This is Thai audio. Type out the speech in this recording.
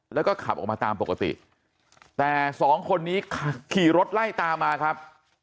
แล้วก็ขับออกมาตามปกติแต่สองคนนี้ขี่รถไล่ตามมาครับ